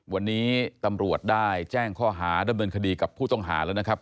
วันนี้ตำรวจได้แจ้งข้อหาดำเนินคดีกับผู้ต้องหาแล้วนะครับ